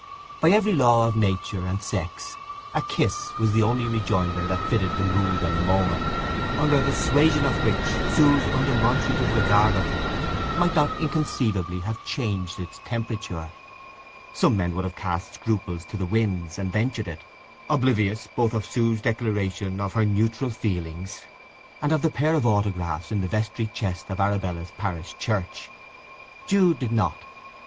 By every law of nature and sex a kiss was the only rejoinder that fitted the mood and the moment, under the suasion of which Sue's undemonstrative regard of him might not inconceivably have changed its temperature. Some men would have cast scruples to the winds, and ventured it, oblivious both of Sue's declaration of her neutral feelings, and of the pair of autographs in the vestry chest of Arabella's parish church. Jude did not.